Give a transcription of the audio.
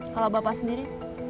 kalau bapak sendiri